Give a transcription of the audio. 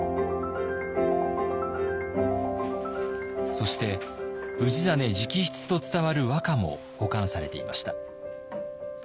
そして氏真直筆と伝わる和歌も保管されていました。